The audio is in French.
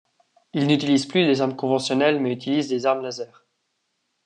Ils n'utilisent plus les armes conventionnels mais utilisent des armes laser.